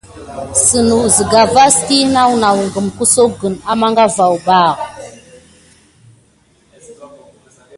Sey lahaa umpa, asɓet zamə kəta zega pake dətonsuk də zəzaya.